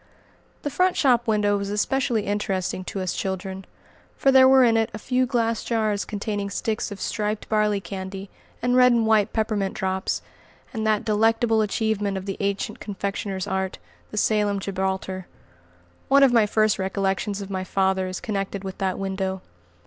The front shop window was especially interesting to us children, for there were in it a few glass jars containing sticks of striped barley candy, and red and white peppermint drops, and that delectable achievement of the ancient confectioner's art, the "Salem gibraltar." One of my first recollections of my father is connected with that window.